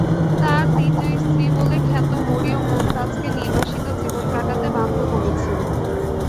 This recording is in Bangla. তাঁর দ্বিতীয় স্ত্রী বলে খ্যাত মরিয়ম মমতাজকে নির্বাসিত জীবন কাটাতে বাধ্য করেছেন।